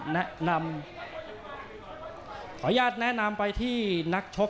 แล้วกลับมาติดตามกันต่อนะครับ